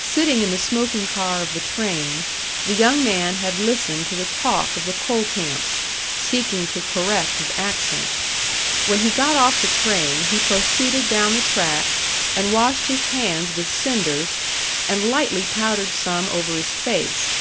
Sitting in the smoking car of the train, the young man had listened to the talk of the coal camps, seeking to correct his accent. When he got off the train he proceeded down the track and washed his hands with cinders, and lightly powdered some over his face.